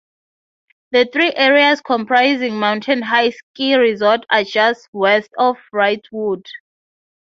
The three areas comprising Mountain High ski resort are just west of Wrightwood.